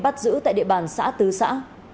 bắt giữ tại địa bàn xã tứ xã